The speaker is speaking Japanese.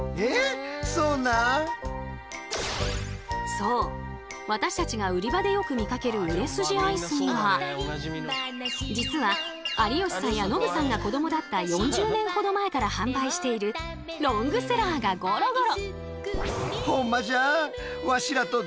そう私たちが売り場で実は有吉さんやノブさんが子どもだった４０年ほど前から販売しているロングセラーがごろごろ！